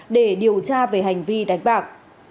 để điều tra về hành vi đánh bạc